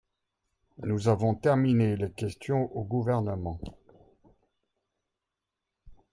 Nous avons terminé les questions au Gouvernement.